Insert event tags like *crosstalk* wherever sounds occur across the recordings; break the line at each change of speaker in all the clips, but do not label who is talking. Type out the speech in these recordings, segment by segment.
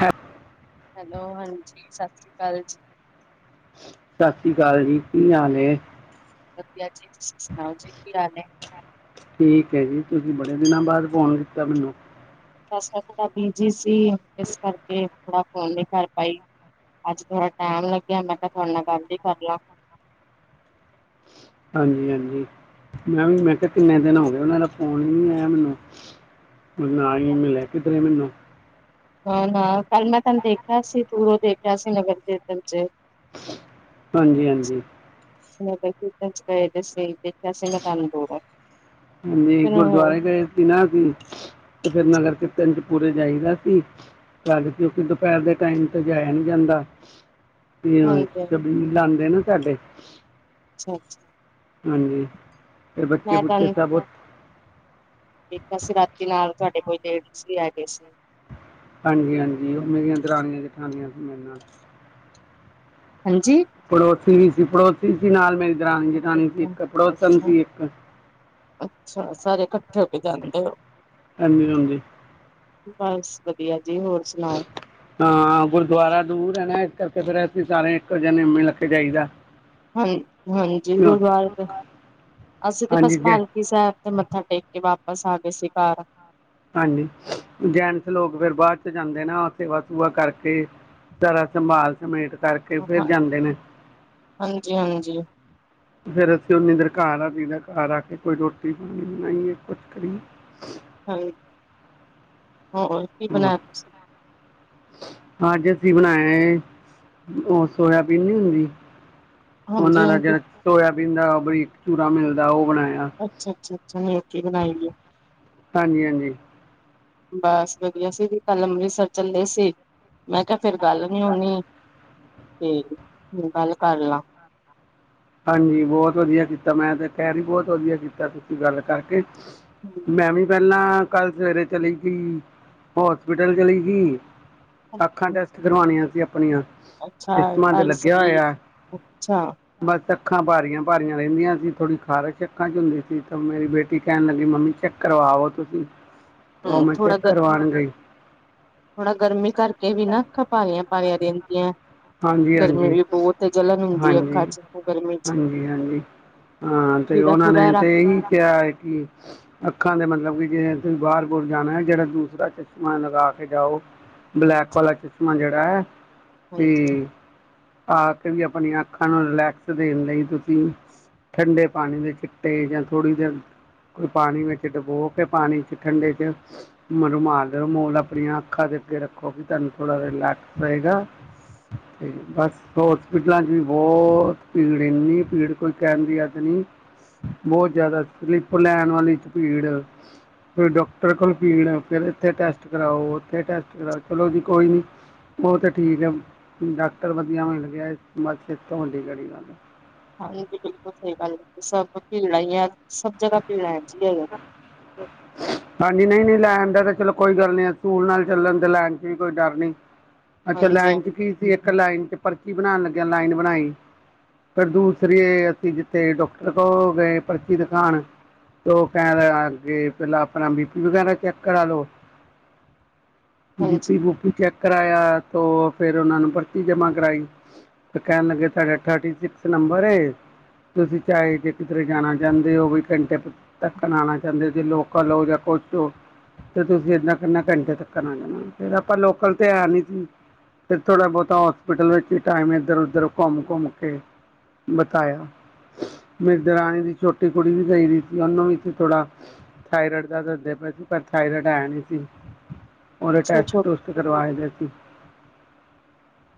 ਹੈਂ *unintelligible*
ਹੈਲੋ ਹਾਂਜੀ ਸਤਿ ਸ਼੍ਰੀ ਅਕਾਲ ਜੀ
ਸਤਿ ਸ਼੍ਰੀ ਅਕਾਲ ਜੀ ਕੀ ਹਾਲ ਏ
ਵਧੀਆ ਜੀ ਤੁਸੀਂ ਸੁਣਾਓ ਜੀ ਕੀ ਹਾਲ ਏ
ਠੀਕ ਏ ਜੀ ਤੁਸੀਂ ਬੜੇ ਦਿਨਾਂ ਬਾਦ ਫ਼ੋਨ ਕੀਤਾ ਮੈਨੂੰ
ਬਸ ਮੈਂ ਥੋੜਾ ਬੀਜੀ ਸੀ ਇਸ ਕਰਕੇ ਥੋੜਾ ਫੋਨ ਨੀਂ ਕਰ ਪਾਈ ਅੱਜ ਥੋੜਾ ਟਾਈਮ ਲੱਗਿਆ ਮੈਂ ਕਿਆ ਤੁਆਡੇ ਨਾਲ ਗੱਲ ਈ ਕਰ ਲਾਂ
ਹਾਂਜੀ ਹਾਂਜੀ ਮੈਂ ਵੀ ਮੈਂ ਕਿਆ ਕਿੰਨੇ ਦਿਨ ਹੋ ਗਏ ਉਹਨਾਂ ਦਾ ਫੋਨ ਹਈ ਨੀ ਆਇਆ ਮੈਨੂੰ ਮ ਆਈ ਮੈਂ ਲੈ ਕੇੱਧਰੇ ਮੈਨੂੰ
ਹ ਨਾ ਕੱਲ ਮੈਂ ਤੈਨੂੰ ਦੇਖਿਆ ਸੀ ਦੂਰੋਂ ਦੇਖਿਆ ਸੀ ਨਗਰ ਕੀਰਤਨ ਚ
ਹਾਂਜੀ, ਹਾਂਜੀ
*unintelligible*
ਹਾਂਜੀ
ਫਿਰ ਹੋਰ
ਗੁਰਦੁਆਰੇ ਗਏ ਸੀ ਨਾ ਸੀ ਤੇ ਫੇਰ
ਹਾਂਜੀ
ਨਗਰ ਕੀ *unintelligible* ਦਪੁਰ ਜਾਈਦਾ ਸੀ ਕੱਲ ਕਿਉਂਕਿ ਦੁਪਹਿਰ ਦੇ ਟਾਈਮ ਤੇ ਜਾਇਆ ਨੀ ਜਾਂਦਾ
ਹਾਂਜੀ,
ਛਬੀਲ ਲਾਉਂਦੇ ਨਾ ਤੁਡੇ
ਅੱਛਾ, ਅੱਛਾ
ਹਾਂਜੀ ਫੇਰ ਬੱਚੇ
ਮੈਂ
ਬੁੱਚੇ ਸਭ ਉੱਥੇ-
ਕ ਅਸੀਂ ਰਾਤੀ ਨਾਲ ਤੁਹਾਡੇ ਕੋਈ ਲੇਡੀਜ਼ ਵੀ ਹੈ ਗਏ ਸੀ
ਹਾਂਜੀ, ਹਾਂਜੀ ਉਹ ਮੇਰੀਆਂ ਦਰਾਨੀਆਂ ਜਠਾਨੀਆਂ ਸੀ ਮੇਰੇ ਨਾਲ
ਹਾਂਜੀ
ਪੜੋਸੀ ਵੀ ਸੀ ਪੜੋਸੀ ਸੀ ਨਾਲ ਮੇਰੀ ਦਰਾਨ ਜਠਣੀ ਸੀ
ਅੱਛਾ ਅੱਛਾ
ਇੱਕ ਪੜੋਸਮ
ਅੱਛਾ
ਸੀ ਇੱਕ
ਅੱਛਾ ਸਾਰੇ ਕੱਠੇ ਹੋ ਕੇ ਜਾਂਦੇ ਓ
ਹਾਂਜੀ, ਹਾਂਜੀ
ਬਸ ਵਧੀਆ ਜੀ ਹੋਰ ਸੁਣਾਓ
ਹਾਂ ਗੁਰਦੁਆਰਾ ਦੂਰ ਏ ਨਾ ਇਸ ਕਰਕੇ ਫੇਰ ਅਸੀਂ ਸਾਰੇ ਇੱਕੋ ਜਿ ਨੇਵੇੇ ਲੱ ਕੇ ਜਾਈਦਾ
ਹਾਂ ਹਾਂਜੀ
ਕਿਉਂ?
ਗੁਰਦੁਆਰੇ ਅਸੀਂ ਤੇ
ਹਾਂਜੀ
ਬਸ
ਜੈ
ਪਾਲ ਕੇ *unintelligible* ਸਾਹਿਬ ਤੇ ਮੱਥਾ ਟੇਕ ਕੇ ਵਾਪਸ ਆ ਗਏ ਸੀ ਘਰ
ਹਾਂਜੀ ਜੈਂਨਸ ਲੋਕ ਫੇਰ ਬਾਦ ਚ ਜਾਂਦੇ ਨਾ ਸੇਵਾ ਸੇਵਾ ਕਰਕੇ ਸਰਾ ਸੰਭਾਲ ਸਮੇਟ ਕਰਕੇ ਫੇਰ ਜਾਂਦੇ ਨੇ
ਹਾਂਜੀ ਹਾਂਜੀ
ਫੇਰ ਅਸੀਂ ਓਨੀ ਦੇਰ ਘਰ ਆ ਦਦਾ ਘਰ ਆ ਕੇ ਕੋਈ ਰੋਟੀ ਪਾਣੀ ਬਣਾਈਏ ਕੁਛ ਕਰੀਏ
ਹਾਂਜੀ ਹੋਰ
ਹੂੰ
ਬਣਾਇਆ *inaudible*
ਅੱਜ ਅਸੀਂ ਬਣਾਏ ਉਹ ਸੋਆ ਬੀਨ ਨੀ ਹੁੰਦੀ
ਹਾਂਜੀ
ਉਹਨਾਂ ਦਾ
ਹਾਂਜੀ
ਜਿਹੜਾ ਸੋਇਬੀਨ ਦਾ ਬਰੀਕ ਚੂਰਾ ਮਿਲਦਾ ਉਹ ਬਣਾਇਆ
ਅੱਛਾ ਅੱਛਾ ਅੱਛਾ ਨਿਊਟਰੀ ਬਣਾਈਏ
ਹਾਂਜੀ, ਹਾਂਜੀ
ਬਸ ਵਧੀਆ ਅਵੀ ਕੱਲ ਅੰਮ੍ਰਿਤਸਰ ਚੱਲੇ ਸੀ ਮੈਂ ਕਿਆ ਫੇਰ ਗੱਲ ਨੀ ਹੋੋਣੀ ਤੇ ਗੱਲ ਕਰ ਲਾਂ
ਹਾਂਜੀ ਬੋਹਤ ਵਧੀਆ ਕੀਤਾ ਮੈਂ ਤਾਂ ਕਹਿ ਰਹੀ ਬੋਹਤ ਵਧੀਆ ਕੀਤਾ ਤੁਸੀਂ ਗੱਲ ਕਰਕੇ ਮੈਂ ਵੀ ਪਹਿਲਾਂ ਕੱਲ ਸਵੇਰੇ ਚਲੀ ਗੀ, ਹੋਸਪਿਟਲ ਚਲੀ ਗੀ। ਅੱਖਾਂ ਟੈਸਟ ਕਰਵਾਣੀਆਂ ਸੀ ਆਪਣੀਆਂ।
ਅੱਛਾ
ਚਸ਼ਮਾਂ ਤੇ
ਭਾਈ
ਲੱਗਿਆ
ਸਰੀਰ
ਹੋਇਆ।
ਅੱਛਾ।
ਬਸ ਅੱਖਾਂ ਭਾਰੀਆਂ- ਭਾਰੀਆਂ ਰਹਿੰਦੀਆਂ ਸੀ, ਥੋੜ੍ਹੀ ਖਾਰਸ਼ ਅੱਖਾਂ ਚ' ਹੁੰਦੀ ਸੀ, ਤੇ ਮੇਰੀ ਬੇਟੀ ਕਹਿਣ ਲੱਗੀ ਮੰਮੀ ਚੱਕ ਕਰਵਾਵੋ ਤੁਸੀਂ।
*inaudible*
ਉਹ ਮੈਂ
ਥੋੜਾ
ਚੈੱਕ ਕਰਵਾਉਣ ਗਈ।
ਥੋੜਾ ਗਰਮੀ ਕਰਕੇ ਵੀ ਨਾ ਅੱਖਾਂ ਭਾਰੀਆਂ- ਭਾਰੀਆਂ ਰਹਿੰਦੀਆਂ ਨੇ।
ਹਾਂਜੀ
ਗਰਮੀ
ਹਾਂਜੀ
ਵੀ ਬਹੁਤ ਹੀ ਜਲਣ ਹੁੰਦੀ ਹੈ। ਅੱਖਾਂ
ਹਾਂਜੀ
ਚ' ਉਹ ਗਰਮੀ ਚ'।
ਹਾਂਜੀ ਹਾਂਜੀ ਹਾਂ, ਤੇ
ਖੀਰਾ
ਉਹਨਾਂ
ਖੂਰਾ
ਨੇ
ਰੱਖ
ਤੇ ਇਹੀ ਕਿਹਾ ਕਿ ਅੱਖਾਂ ਦੇ ਮਤਲਬ ਕਿ ਜੇ ਤੁਸੀਂ ਬਾਹਰ- ਬੂਰ ਜਾਣਾ ਜਿਹੜਾ ਦੂਰ ਦਾ ਚਸ਼ਮਾ ਲਗਾ ਕੇ ਜਾਓ।
*inaudible*
ਬਲੈਕ ਵਾਲਾ ਚਸ਼ਮਾ ਜਿਹੜਾ ਹੈ।
ਹਾਂਜੀ
ਤੇ। ਆਕੇ ਵੀ ਆਪਣੀਆਂ ਅੱਖਾਂ ਨੂੰ ਰਿਲੈਕਸ ਦੇਣ ਲਈ ਤੁਸੀਂ ਠੰਡੇ ਪਾਣੀ ਦੇ ਛਿਟੇ ਜਾਂ ਥੋੜ੍ਹੀ ਦੇਰ ਕੋਈ ਪਾਣੀ ਵਿੱਚ ਡਬੋ ਕੇ ਪਾਣੀ ਚ' ਠੰਡੇ ਚ' ਮਨੂੰ ਰੂਮਾਲ- ਰਮੂਲ ਆਪਣੀਆਂ ਅੱਖਾਂ ਦੇ ਅੱਗੇ ਰੱਖੋ ਕਿ ਤੁਹਾਨੂੰ ਥੋੜਾ ਰਿਲੈਕਸ ਰਏਗਾ। ਤੇ ਬਸ। ਹੋਸਪਿਟਲਾਂ ਚ' ਵੀ ਬਹੁਤ ਭੀੜ ਇੰਨੀ ਭੀੜ ਕੋਈ ਕਹਿਣ ਦੀ ਹੱਦ ਨੀ। ਬਹੁਤ ਜ਼ਿਆਦਾ, ਸਲੀਪ ਲੈਣ ਵਾਲੀ ਚ' ਪੀੜ। ਫਿਰ ਡੋਕਟਰ ਕੋਲ ਪੀੜ ਫਿਰ ਇੱਥੇ ਟੈਸਟ ਕਰਾਓ, ਓਥੇ ਟੈਸਟ ਕਰਾਓ, ਚਲੋ ਜੀ ਕੋਈ ਨੀ। ਉਹ ਤੇ ਠੀਕ ਹੈ। ਡਾਕਟਰ ਵਧੀਆ ਹੋਣਾ ਚਾਹੀਦਾ ਬਸ ਤੇ ਰੋਣ ਦੀ ਕੇੜੀ ਗੱਲ।
ਹਾਂਜੀ, ਬਿਲਕੁਲ ਸਹੀ ਗੱਲ ਹੈ। ਸਭ ਭੀੜ ਹੀ ਹੈ। ਸਭ ਜਗ੍ਹਾ ਭੀੜ ਹੈ ਜੀ।
*inaudible* ਹਾਂਜੀ, ਨਈ- ਨਈ ਲੈਣ ਦਾ ਤਾਂ ਚਲੋ ਕੋਈ ਗੱਲ ਅਸੂਲ ਨਾਲ ਚੱਲਣ ਤੇ ਲੈਣ ਚ' ਵੀ ਕੋਈ ਡਰ ਨੀ।
*inaudible*
ਅੱਛਾ, ਲਾਈਨ ਚ' ਕੀ ਸੀ ਇੱਕ ਲਾਈਨ ਚ' ਪਰਚੀ ਬਣਾਣ ਲੱਗਿਆ ਲਾਈਨ ਬਣਾਈ। ਫਿਰ ਦੂਸਰੀ ਅਸੀਂ ਜਿੱਥੇ ਡੋਕਟਰ ਕੋਲ ਗਏ ਪਰਚੀ ਦਿਖਾਣ। ਤ ਉਹ ਕਹਿਣ ਲੱਗ ਗਏ ਪਹਿਲਾਂ ਆਪਣਾ ਬੀ ਪੀ ਵਗੈਰਾ ਚੈੱਕ ਕਰਾ ਲੋ। ਬੀ ਪੀ
ਹਾਂਜੀ
ਬੂਪੀ ਚੈੱਕ ਕਰਾਇਆ, ਤੋਂ ਫੇਰ ਉਹਨਾ ਨੂੰ ਪਰਚੀ ਜਮਾ ਕਰਾਈ। ਤੇ ਕਹਿਣ ਲੱਗੇ ਤੁਹਾਡਾ ਥਰਟੀ ਸਿਕਸ ਨੰਬਰ ਏ। ਤੁਸੀਂ ਚਾਹੇ ਜੇ ਕਿਧਰੇ ਜਾਣਾ ਚਾਹੁੰਦੇ ਹੋ ਵੀ ਘੰਟੇ ਧੱਕਣ ਆਉਣਾ ਚਾਹੁੰਦੇ ਜੇ ਲੋਕਲ ਹੋ, ਜਾਂ ਕੁਛ ਹੋ। ਤੇ ਤੁਸੀਂ ਏਦਾਂ ਕਰਨਾ ਘੰਟੇ ਤੱਕ ਆ ਜਾਣਾ। ਫੇਰ ਆਪਾਂ ਲੋਕਲ ਤੇ ਹੈ ਨੀ ਸੀ। ਫਿਰ ਥੋੜ੍ਹਾ- ਬਹੁਤਾ ਹੋਸਪਿਟਲ ਵਿੱਚ ਵੀ ਟਾਈਮ ਇੱਧਰ- ਉੱਧਰ ਘੁੰਮ- ਘੁੰਮ ਕੇ ਬਤਾਇਆ। ਮੇਰੀ ਦਰਾਣੀ ਦੀ ਛੋਟੀ ਕੁੜੀ ਵੀ ਗਈ ਸੀ। ਉਹਨੂੰ ਵੀ ਇੱਥੇ ਥੋੜਾ, ਥਾਈਰੈਡ ਦਾ ਦੱਸਦੇ ਪਏ ਸੀ ਪਰ ਥਾਈਰੈਡ ਹੈ ਨਈ ਸੀ। ਓਦੇ
ਛੋ
ਟੈਸਟ- ਟੂਸਟ ਕਰਵਾਏ ਗਏ ਸੀ।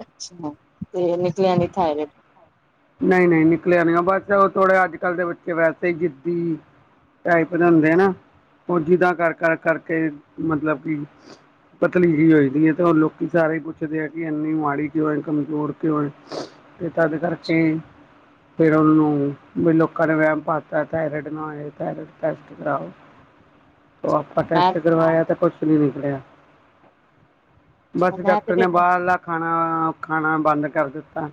ਅੱਛਾ, ਤੇ ਨਿਕਲਿਆ ਨਈ ਥਾਇਰੇਡ।
ਨਈ- ਨਈ ਨਿਕਲਿਆ ਨੀ, ਬਸ ਥੋੜ੍ਹੇ ਅੱਜ ਕੱਲ੍ਹ ਦੇ ਬੱਚੇ ਵੈਸੇ ਜਿੱਦੀ ਟਾਈਪ ਦੇ ਹੁੰਦੇ ਆ ਨਾ। ਉਹ ਜਿਦਾ ਕਰ- ਕਰ ਕਰਕੇ ਮਤਲਬ ਕੀ। ਪਤਲੀ ਜੀ ਹੋਦੀ ਹੈ। ਤੇ ਲੋਕੀ ਸਾਰੇ ਪੁੱਛਦੇ ਆ ਕਿ ਇੰਨੀ ਮਾੜੀ ਕਿਉ ਹੈ ਕਮਜ਼ੋਰ ਕਿਉਂ ਹੈ। ਤੇ ਤਦ ਕਰਕੇ ਫੇਰ ਉਹਨੂੰ ਵੀ ਲੋਕਾਂ ਨੇ ਵਹਿਮ ਪਾਤਾ ਥਾਇਰਇਡ ਨਾ ਆਏ, ਥਾਇਰਇਡ ਟੈਸਟ ਕਰਾਓ।
*inaudible*
ਓ ਆਪਾਂ
ਮੈਂ
ਟੈਸਟ ਕਰਵਾਇਆ ਤੇ ਕੁਛ ਨੀ ਨਿਕਲਿਆ। ਬਸ,
ਮੈਂ
ਡਾਕਟਰ ਨੇ
ਤੇ
ਬਾਹਰਲਾ ਖਾਣਾ, ਖਾਨਾ ਬੰਦ ਕਰ ਦਿੱਤਾ,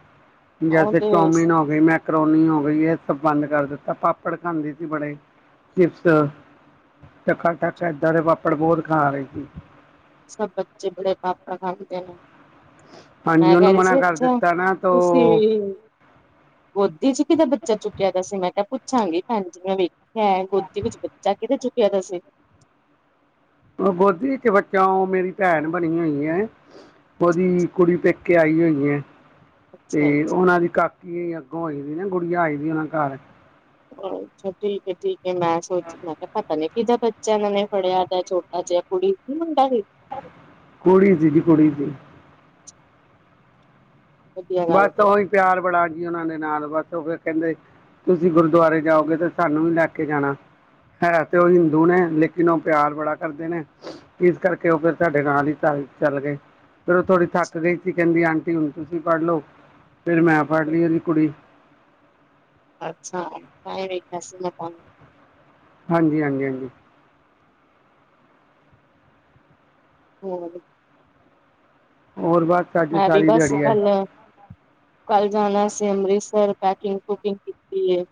ਉਹ
ਜੈਸੇ
ਤੇ
ਹੋ ਗੀ ਮੈਕਰੋਨੀ ਹੋ ਗੀ, ਐ ਸਭ ਬੰਦ ਕਰ ਦਿੱਤਾ, ਪਾਪੜ ਖਾਂਦੀ ਸੀ ਬੜੇ। ਚਿਪਸ, ਟੱਕਾ-ਟੱਕ ਏਦਾਂ ਦੇ ਪਾਪੜ ਬੋਤ ਖਾ ਰੀ ਸੀ।
ਸਭ ਬੱਚੇ ਬੜੇ ਪਾਪੜ ਖਾਦੇ ਨੇ।
ਹਾਂਜੀ
ਮੈਂ
ਉਹਨੂੰ
ਕਹ ਰੀ
ਮਨਾ
ਸੀ
ਕਰ
ਅੱਛਾ,
ਦਿੱਤਾ ਨਾ ਤੋ
ਤੁਸੀ ਗੋਦੀ 'ਚ ਕਿਦਾ ਬੱਚਾ ਚੁੱਕ ਚੁੱਕਿਆ ਦਾ ਸੀ ਮੈਂ ਕਯਾ ਪੁੱਛਾਂਗੀ ਭੈਣ ਜੀ ਨੁ ਮੈਂ ਵੇਖਿਆ ਗੋਦੀ ਵਿੱਚ ਬੱਚਾ ਕਿਦਾ ਚੁੱਕਿਆ ਦਾ ਸੀ।
ਓ ਗੋਦੀ 'ਚ ਬੱਚਾ, ਓ ਮੇਰੀ ਪੈਣ ਬਣੀ ਹੋਈ ਏ, ਓਦੀ ਕੁੜੀ ਪੇਕੇ ਕੇ ਆਈ ਹੋਈ ਏ,
ਅੱਛਾ
ਤੇ
ਅੱਛਾ
ਓਨਾਂ ਦੀ ਕਾਕ ਕੀ ਅੱਗੋਂ ਹੋਈ ਦੀ ਨਾ ਗੁੜੀਯਾ ਆਈ ਦੀ ਓਨਾ ਘਰ।
ਅੱਛਾ ਠੀਕ ਏ, ਠੀਕ ਏ ਮੈਂ ਸੋਚ ਮੈਂ ਕਯਾ ਪਤਾ ਨੀ ਕਿਦਾਂ ਬੱਚਿਆਂ ਏਨਾਂ ਨੇ ਫੜਿਆ ਛੋਟ ਟਾ ਜਯਾ ਕੁੜੀ ਕੀ ਮੁਡਾੰ ਸੀ?
ਕੁੜੀ ਸੀ ਜੀ, ਕੁੜੀ ਸੀ।
ਵਧੀਆ ਗੱਲ
ਬਸ
ਹੈ
ਓਹੀ ਪਿਆਰ ਬੜਾ ਜੀ ਓਨਾਂ ਦੇ ਨਾਲ ਬਸ ਓ ਫਿਰ ਕਹਿੰਦੇ ਤੁਸੀਂ ਗੁਰਦੁਆਰੇ ਜਾਓਗੇ ਤੇ ਸਾਨੂੰ ਵੀ ਲੈ ਕੇ ਜਾਣਾ। ਹੈ ਤੇ ਓ ਹਿੰਦੂ ਨੇ, ਲੇਕਿਨ ਓ ਪਿਆਰ ਬੜਾ ਕਰਦੇ ਨੇ। ਇਸ ਕਰਕੇ ਓ ਫਿਰ ਸਾਡੇ ਨਾਲ ਹੀ ਚੱਲ ਚੱਲ ਗੇ। ਫਿਰ ਓ ਥੋੜ੍ਹੀ ਥੱਕ ਗਈ ਸੀ, ਕਹਿੰਦੀ ਆਂਟੀ ਹੁਨ ਤੁਸੀਂ ਫੜ੍ਹ ਲਓ, ਫਿਰ ਮੈਂ ਫੜ੍ਹ ਲਈ ਓਦੀ ਕੁੜੀ।
ਅੱਛਾ ਤਾਂਈ ਵੇਖਯਾ ਸੀ ਮੈਂ ਤੁਆਨੁ।
ਹਾਂਜੀ, ਹਾਂਜੀ, ਹਾਂਜੀ।
ਹੋਰ
ਹੋਰ ਬਸ ਅੱਜ
ਮੈਂ ਵੀ
ਸਾਰੀ
ਬੱਸ
ਦਿਹਾੜੀ ਹੈ
ਕੱਲ ਕੱਲ ਜਾਨਾ ਸੀ ਅੰਮ੍ਰਿਤਸਰ, ਪੈਕਿੰਗ ਪੁਕਿੰਗ ਕੀਤੀ ਏ।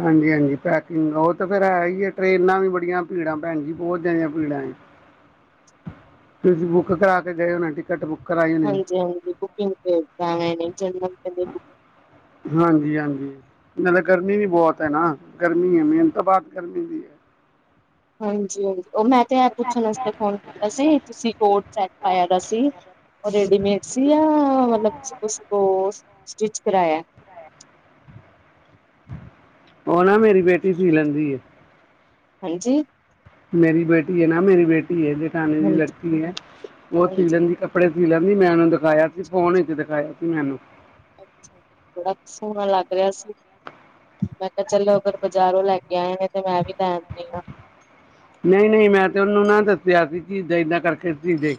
ਹਾਂਜੀ-ਹਾਂਜੀ ਪੈਕਿੰਗ ਓ ਤਾਂ ਫਿਰ ਹੈ ਈ ਏ, ਟਰੇਨਾਂ ਵੀ ਬੜੀਆਂ ਭੀੜਾਂ ਪੈਣ ਜੀ ਬੋਤ ਜਿਆਦਿਆਂ ਭੀੜਾਂ ਏ ਤੁਸੀਂ ਬੁੱਕ ਕਰਾ ਕੇ ਗਏ ਓ ਨਾ ਟਿ ਟਿਕਟ ਬੁੱਕ ਕਰਾਈ। ਹੋਣੀ
ਹਾਂਜੀ-ਹਾਂਜੀ, ਬੁਕਿੰਗ ਤੇ *unintelligible* ਜਨਰਲ ਤੇ ਨਈ
ਹਾਂਜੀ-ਹਾਂਜੀ। ਨਾਲੇ ਗਰਮੀ ਵੀ ਬੋਤ ਐ ਨਾ, ਗਰਮੀ ਏ ਮੇਨ ਤਾਂ ਬਾਤ ਗਰਮੀ ਦੀ ਏ।
ਹਾਂਜੀ-ਹਾਂਜੀ, ਓ ਮੈਂ ਤੇ ਐ ਪੁੱਛਨ ਅਸਤੇ ਫੋਨ ਕੀਤਾ ਸੀ ਤੁਸੀਂ ਕੋਟ ਸੈਟ ਪਾਇਆ ਦਾ ਸੀ ਓ ਰੇਡੀਮੇਡ ਸੀ ਯਾ ਮਤਲਬ ਤੁਸੀਂ ਕਿਸੀ ਕੋ ਸਟਿਚ ਕਰਾਇਆ?
ਓ ਨਾ ਮੇਰੀ ਬੇਟੀ ਸੀ ਲੈਂਦੀ ਏ।
ਹਾਂਜੀ।
ਮੇਰੀ ਬੇਟੀ ਏਨਾ, ਮੇਰੀ ਬੇਟੀ ਏ ਜੇਠਾਨੀ ਦੀ
ਹਾਂਜੀ
ਲੜਕੀ ਏ ਓ ਸੀ
ਹਾਂਜੀ
ਲੈਦੀ ਏ ਕੱਪੜੇ। ਕੱਪੜੇ ਸੀ ਲੈਂਦੀ, ਮੈਂ ਓਨੂੰ ਦਿਖਾਇਆ ਸੀ ਫੋਨ 'ਚ ਦਿਖਾਇਆ ਸੀ ਮੈ ਓਨੂੰ।
ਅੱਛਾ, ਬੜਾ ਸੋਣਾ ਲੱਗ ਰਿਹਾ ਸੀ। ਮੈਂ ਕਯਾ ਚਲੋ ਅਗਰ ਬਾਜ਼ਾਰੋਂ ਲੈ ਕੇ ਆਏ ਨੇ ਤੇ ਮੈਂ ਵੀ ਲੈ ਆਨੀ ਆ।
ਨਈ-ਨਈ, ਮੈਂ ਤੇ ਓਨੂੰ ਨਾ ਦੱਸਿਆ ਸੀ ਕਿ ਏਦਾਂ ਏਦਾਂ ਕਰਕੇ ਸੀ ਦੇ।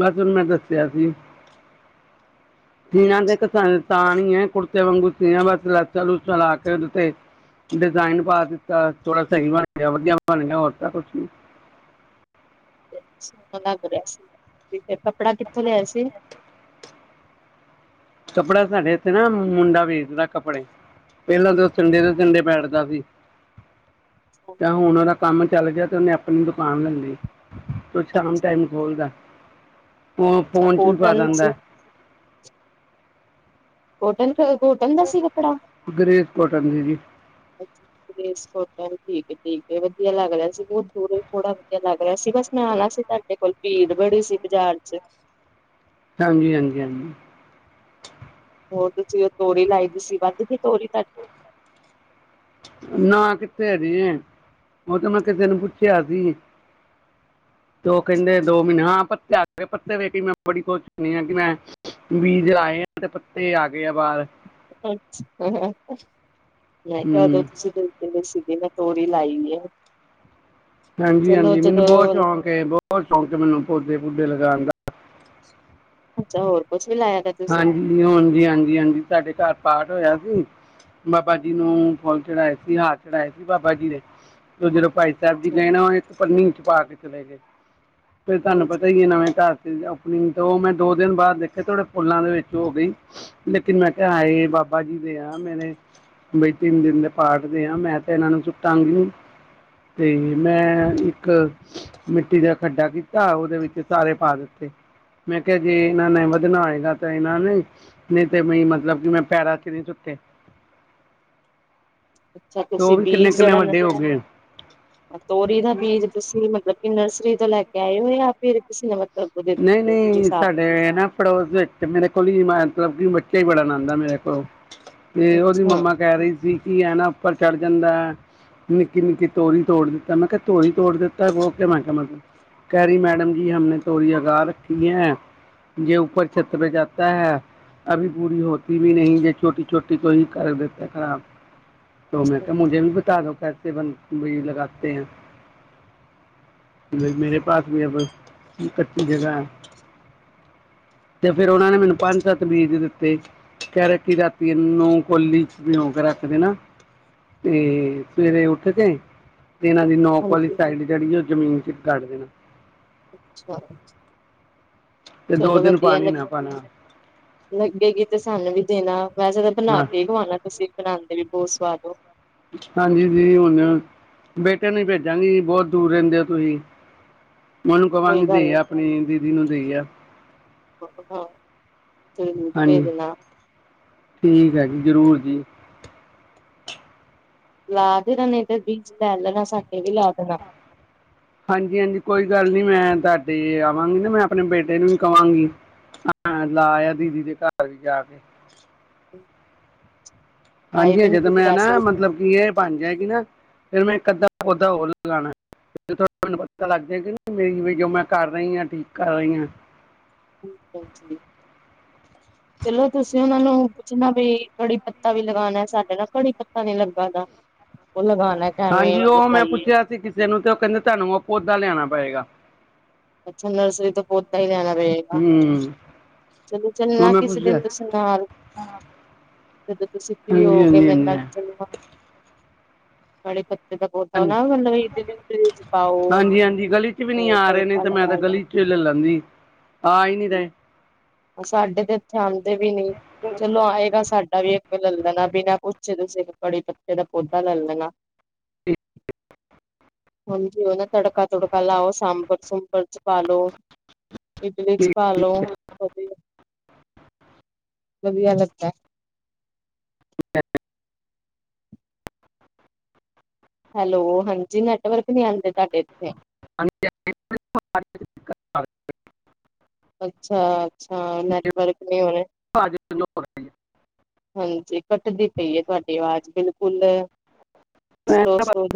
ਬਸ ਓਨੂੰ ਮੈਂ ਦੱਸਿਆ ਸੀ ਸੀਨਾ ਤੇ *unintelligible* ਤਾਂ ਣੀ ਹੈ ਕੁੜਤੇ ਵਾਂਗੂ ਸੀਨਾ ਬਸ ਲੈਸਾਂ ਲੂਸਾਂ ਲਾ ਕੇ ਓਦੇ ਤੇ। ਡਿਜ਼ਾਇਨ ਪਾ ਦਿੱਤਾ, ਥੋੜਾ ਸਈ ਬਣ ਗਿਆ, ਵਧੀਆ ਬਣ ਗਿਆ ਹੋਰ ਤਾਂ ਕੁਛ ਨੀ।
*unintelligible* ਸੋਨਾ ਲੱਗ ਰਿਹਾ ਸੀ ਨੀ ਫਿਰ ਕੱਪੜਾ ਕਿੱਥੋਂ ਲਿਆਏ ਸੀ?
*inaudible* ਕੱਪੜਾ ਸਾਡੇ ਇੱਥੇ ਨਾ, ਮੁੰਡਾ ਵੇਚਦਾ ਕੱਪੜੇ ਪਹਿਲਾਂ ਤਾਂ ਉਹ ਸੰਡੇਂ ਦੇ ਸੰਡੇਂ ਬੈਠਦਾ ਸੀ ਤੇ ਹੁਣ ਉਹਦਾ ਕੰਮ ਚੱਲ ਗਿਆ ਤੇ ਉਹਨੇ ਆਪਣੀ ਦੁਕਾਨ ਲੱਲੀ। ਉਹ ਸ਼ਾਮ ਟਾਈਮ ਈ
ਅੱਛਾ-ਅੱਛਾ
ਖੋਲਦਾ, ਉਹ ਫ਼ੋਨ 'ਚ ਵੀ ਪਾ
ਕੋਟਨ
ਦਿੰਦਾ
ਸੀ। ਕੋਟਨ ਤੇ ਕੋਟਨ ਦਾ ਸੀ ਕੱਪੜਾ?
ਗ੍ਰੇਸ ਕੋਟਨ ਦੀ ਜੀ
ਠੀਕ‌ ਏ ਠੀਕ ਏ ਵਧੀਆ ਲਗ ਰਿਹਾ ਸੀ, ਬਹੁਤ ਦੂਰੋਂ ਥੋੜਾ ਵਧੀਆ ਲੱਗ ਰਿਹਾ ਸੀ, ਬਸ ਮੈਂ ਆਂਣਾ ਸੀ ਪਰ ਤੇ ਕੱਲ੍ਹ ਭੀੜ ਬੜੀ ਸੀ ਬਾਜ਼ਾਰ 'ਚ।
ਹਾਂਜੀ, ਹਾਂਜੀ-ਹਾਂਜੀ।
ਹੋਰ ਤੁਸੀਂ ਉਹ ਤੋਰੀ ਲਾਈ ਦੀ ਸੀ, ਵੱਧ ਤੀ ਤੋਰੀ ਫੇਰ
ਨਾ ਕਿੱਥੇ ਹਜੇ, ਉਹ ਤਾਂ ਮੈਂ ਕਿਸੇ ਨੂੰ ਪੁੱਛਿਆ ਸੀ ਤੇ ਉਹ ਕਹਿੰਦੇ ਦੋ ਮਹੀਨੇ, ਹਾਂ ਪੱਤੇ ਆ ਪੱਤੇ ਵੇਖ ਮੈਂ ਬੜੀ ਖੁਸ਼ ਹੁੰਨੀ ਆ ਕਿ ਮੈਂ ਵੀਜ ਆਏ ਆ ਤੇ ਪੱਤੇ ਆ ਗੇ ਆ ਬਾਹਰ।
ਹਾਂਸ, ਮੈਂ ਕਿਹਾ ਉਦੋ
ਹੂੰ
ਤੁਸੀਂ ਕੋਈ ਜਿਹੜੇ ਸੀਗੇ, ਮੈਂ ਤੋਰੀ ਲਾਈ ਐ।
ਹਾਂਜੀ-ਹਾਂਜੀ, ਮੈਨੂੰ ਬਹੁਤ
ਜਦੋਂ
ਸ਼ੌਕ ਏ, ਬਹੁਤ ਸ਼ੌਂਕ ਏ, ਮੈਨੂੰ ਪੌਦੇੇ-ਪੂਦੇ ਲਗਾਂਣ ਦਾ।
ਅੱਛਾ, ਹੋਰ ਕੁੱਝ ਵੀ ਲਾਇਆ ਦਾ? ਤੁਸੀਂ
ਹਾਂਜੀ-ਹਾਂਜੀ, ਹਾਂਜੀ-ਹਾਂਜੀ। ਸਾਡੇ ਘਰ ਪਾਠ ਹੋਇਆ ਸੀ, ਬਾਬਾ ਜੀ ਨੂੰ ਫੁੱਲ ਚੜ੍ਹਾਏ ਸੀ, ਹਾਰ ਚੜ੍ਹਾਏ ਸੀ ਬਾਬਾ ਜੀ ਦੇ ਤੇ ਜਦੋਂ ਭਾਈ ਸਾਹਬ ਜੀ ਨੇ ਨਾ, ਇੱਕ ਪਨੀ 'ਚ ਪਾ ਕੇ ਚਲੇ ਗਏ। ਫੇਰ ਤੁਹਾਨੂੰ ਪਤਾ ਈ ਏ, ਨਵੇਂ ਘਰ 'ਚ ਓਪਨਿੰਗ ਤੇ ਉਹ ਮੈਂ ਦੋ- ਦਿਨ ਬਾਅਦ ਦੇਖੇ ਥੋੜੇ ਫੁਲਾ ਦੇ ਵਿੱਚ ਓ ਹੋ ਗਈ, ਲੇਕਿਨ ਮੈਂ ਕਿਹਾ ਹਏ ਬਾਬਾ ਜੀ ਦੇ ਆ, ਮੇਨੇ ਬਈ ਤਿੰਨ ਦਿਨ ਦੇ ਪਾਠ ਦੇ ਆ, ਮੈਂ ਤੇ ਇਹਨਾਂ ਨੂੰ ਸੁੱਟਾਂਗੀ ਨੀ। ਤੇ ਮੈਂ ਇੱਕ ਮਿੱਟੀ ਦਾ ਖੱਡਾ ਕੀਤਾ, ਉਹਦੇ ਵਿੱਚ ਸਾਰੇ ਪਾ ਦਿੱਤੇ। ਮੈਂ ਕਿਹਾ, ਜੇ ਇਹਨਾਂ ਨੇ ਵਧਣਾ ਹੋਏ ਜਾ ਤਾਂ ਇਹਨਾਂ ਨੇ, ਨਹੀਂ ਤੇ ਮ ਮਤਲਬ ਕਿ ਮੈਂ ਪੈਰਾਂ 'ਚ ਨਹੀਂ ਸੁੱਟੇ।
ਅੱਛਾ,
ਤੇ ਉਹ
ਤੁਸੀਂ
ਵੀ
ਬੀਜ
ਕਿੰਨੇ-ਕਿੰਨੇ
ਜਿਹੜਾ ਨਾ
ਵੱਡੇ ਹੋ ਗਏ।
ਤੋਰੀ ਦਾ ਬੀਜ਼ ਤੁਸੀਂ ਮਤਲਬ ਕਿ, ਨਰਸਰੀ ਤੋਂ ਲੈ ਕੇ ਆਏ ਓ? ਜਾਂ ਫਿਰ- ਤੁਸੀਂ ਨਵਾਂ ਪੌਦਾ
ਨਹੀਂ-ਨਹੀਂ, ਸਾਡੇ ਨਾ ਪੜੋਸ ਵਿੱਚ ਮੇਰੇ ਕੋਲ਼ ਈ, ਮਤਲਬ ਕਿ ਬੱਚਾ ਈ ਬੜਾ ਆਨੰਦਾ ਮੇਰੇ ਕੋਲੋਂ। ਤੇ ਉਹਦੀ
ਅੱਛਾ
ਮੰਮਾ ਕਹਿ ਰਹੀ ਸੀ, ਕਿ ਇਹ ਨਾ ਉੱਪਰ ਚੜ੍ਹ ਜਾਂਦਾ ਐ ਨਿੱਕੀ-ਨਿੱਕੀ ਤੋਰੀ ਤੋੜ ਦਿੱਤਾ, ਮੈਂ ਕਿਹਾ ਤੋਰੀ ਤੋੜ ਦਿੱਤਾ, ਬੋ ਕੇ ਮੈਂ ਕਿਹਾ ਮੈਂ ਤੂੰ ਕਹਿ ਰਹੀ ਮੈਡਮ ਜੀ ਹਮ ਨੇ ਤੋਰੀ ਅਗਾ ਰੱਖੀ ਐ। ਜੇ ਉੱਪਰ ਛੱਤ ਪੇ ਜਾਤਾ ਹੈ। ਅਭੀ ਪੂਰੀ ਹੋਤੀ ਵੀ ਨਹੀਂ, ਜੇ ਛੋਟੀ-ਛੋਟੀ ਕੋ ਹੀ ਕਰ ਦੇਤਾ ਖ਼ਰਾਬ। ਤੋ ਮੈਂ ਕਿਹਾ ਮੁੰਡੇ ਨੂੰ ਬਤਾ ਦੋ ਫਿਰ। ਈਵਨ, ਬੀੜ ਲਗਾਤੇ ਹੈ। ਮੇਰੇ ਪਾਸ ਵੀ ਹੈ ਕੱੱਚੀ ਜਗ੍ਹਾ ਐ ਤੇ ਫੇਰ ਉਹਨਾਂ ਨੇ ਮੈਨੂੰ ਪੰਜ-ਸੱਤ ਬੀਜ ਦਿੱਤੇ ਫੇਰ ਅਸੀ ਰਾਤੀ ਇਹਨਾਂ ਨੂੰ ਕੋਲੀ 'ਚ ਭਿਉਂ ਕੇ ਰੱਖ ਦੇਨਾ ਤੇ ਸਵੇਰੇ ਉੱਠ ਕੇ ਤੇ ਇਹਨਾਂ ਦੀ ਨੌਕ ਵਾਲੀ
ਹਾਂਜੀ
ਸਾਈਡ ਜਿਹੜੀ ਉਹ ਜ਼ਮੀਨ 'ਚ ਗੱਢ ਦੇਣੀ।
ਅੱਛਾ,
ਤੇ ਦੋ
ਚਲੋ
ਦਿਨ
ਵਧੀਆ
ਪਾਣੀ ਨਾ ਪਾਣਾ
ਲਗੀ ਲੱਗੇਗੀ ਤੇ ਸਾਨੂੰ ਵੀ ਦੇਣਾ, ਵੈਸੇ ਤਾਂ ਬਣਾ
ਹਾਂ
ਕੇ ਈ ਖਵਾਣਾ, ਤੁਸੀਂ ਬਣਾਂਦੇ ਵੀ ਬਹੁਤ ਸਵਾਦ ਓ।
ਹਾਂਜੀ, ਦੀਦੀ ਹੁਣ ਬੇਟੇ ਨੂੰ ਈ ਭੇਜਾਂਗੀ, ਬਹੁਤ ਦੂਰ ਰਹਿੰਦੇ ਓ ਤੁਹੀ। ਮੈ ਉਹਨੂੰ
ਕੋਈ
ਕਵਾਂਗੀ
ਗੱਲ
ਦੇ
ਨੀ
ਆ, ਆਪਣੀ ਦੀਦੀ ਨੂੰ ਦੇ ਆ।
ਹਾਂ, ਕੋਈ ਨਹੀ ਦੇ
ਹਾਂਜੀ
ਦੇਨਾ।
ਠੀਕ ਹੈ ਜੀ, ਜ਼ਰੂਰ ਜੀ।
ਲਾ ਦੇਣਾ ਨੇ ਤੇ ਬੀਜ ਲੈ ਲੈਣਾ ਸਾਡੇ ਵੀ ਲਾ ਦੇਣਾ।
ਹਾਂਜੀ- ਹਾਂਜੀ ਕੋਈ ਗੱਲ ਨੀ ਮੈਂ ਤੁਹਾਡੇ ਆਵਾਂਗੀ ਨਾ, ਮੈਂ ਆਪਣੇ ਬੇਟੇ ਨੂੰ ਵੀ ਕਵਾਂਗੀ। ਹਾਂ, ਲਾਆ ਦੀਦੀ ਦੇ ਘਰ ਵੀ ਜਾ ਕੇ।
ਆਏ
ਹਾਂਜੀ-
ਵੀ ਨੀ
ਹਾਂਜੀ, ਤੇ
ਤੁਸੀਂ
ਮੈਂ ਨਾ,
ਵੈਸੇ
ਮਤਲਬ ਕੀ ਇਹ ਬਣ ਜਾ ਹੈਗੀ ਨਾ। ਫਿਰ ਮੈਂ ਇਕ- ਅੱਧਾ ਪੌਧਾ ਹੋਰ ਲਾ ਲਾਣਾ। ਮੈਨੂੰ ਪਤਾ ਲੱਗਦਾ ਮੇਰੀ ਵੀਡਿੳ ਜੋ ਮੈਂ ਕਰ ਰਹੀ ਆਂ, ਠੀਕ ਕਰ ਰਹੀ ਹਾਂ।
ਹਾਂਜੀ। ਚਲੋ ਤੁਸੀਂ ਉਹਨਾਂ ਨੂੰ ਪੁੱਛਣਾ ਵੀ, ਕੜੀ ਪੱਤਾ ਵੀ ਲਗਾਉਣਾ, ਸਾਡੇ ਨਾਲ ਕੜੀ ਪੱਤਾ ਨੀ ਲੱਗਾ ਦਾ। ਹੁਣ ਲਗਾਨਾ।
ਹਾਂਜੀ, ਉਹ ਮੈਂ ਪੁੱਛਿਆ ਸੀ ਕਿਸੇ ਨੂੰ ਤੇ ਉਹ ਕਹਿੰਦੇ ਤੁਹਾਨੂੰ ਉਹ ਪੌਦਾ ਲਿਆਣਾ ਪਏਗਾ।
ਅੱਛਾ, ਨਰਸਰੀ ਤੋਂ ਪੌਦਾ ਹੀ ਲੈਣਾ ਪੇਗਾ।
ਹੂ
ਚਲੋ, ਚੱਲਣਾ ਕਿਸੇ ਦਿਨ ਤੁਸੀਂ ਨਾਲ।
ਹਾਂ।
ਜਦੋਂ ਤੁਸੀਂ ਫ੍ਰੀ ਹੋਗੇ, ਮੇਰੇ ਨਾਲ ਚਲਨਾ। ਕਾਲੀ ਪੱਤੇ ਦਾ ਪੌਦਾ
ਹਾਂਜੀ
ਨਾ ਮਤਲਬ ਇਹ ਦੇ ਰੀਜ਼ ਪਾਓ।
ਹਾਂਜੀ ਹਾਂਜੀ ਗਲੀ 'ਚ ਵੀ ਨਹੀਂ ਆ ਰਹੇ ਨੇ ਤੇ ਮੈਂ
ਲਗਾ
ਤਾਂ ਗਲੀ
ਲਓ।
ਚ' ਲੈ ਲੈਂਦੀ। ਆ ਹੀ ਨੀ ਰਹੇ।
ਸਾਡੇ ਤੇ ਇੱਥੇ ਆਉਂਦੇ ਵੀ ਨੀ। ਚਲੋ ਆਏਗਾ ਸਾਡਾ ਵੀ ਇੱਕ ਲੈ ਲੈਣਾ ਬਿਨਾਂ ਪੁੱਛੇ ਤੁਸੀਂ ਕੜੀ ਪੱਤੇ ਦਾ ਪੌਦਾ ਲੈ ਲੈਣਾ। ਹਾਂਜੀ। ਉਹਦਾ ਤੜਕਾ- ਤੜਕਾ ਲਾਓੋ, ਸਾਂਬਰ- ਸੁਬਰ ਚ' ਪਾ ਲੋ। ਇਡਲੀ ਚ' ਪਾਲੋ। ਵਧੀਆ। ਵਧੀਆ ਲੱਗਦਾ।
ਅ *unintelligible*
ਹੈਲੋ, ਹਾਂਜੀ ਨੈਟਵਰਕ ਨਹੀਂ ਆਉਂਦੇ ਤੁਹਾਡੇ ਇੱਥੇ?
*unintelligible*
ਅੱਛਾ- ਅੱਛਾ, ਨੈਟਵਰਕ ਨਹੀਂ ਹੋਣੇ। ਹਾਂਜੀ। ਕੱਟਦੀ ਪਈ ਹੈ ਤੁਹਾਡੀ ਆਵਾਜ਼ ਬਿਲਕੁਲ, ਸਲੋ -ਸਲੋ।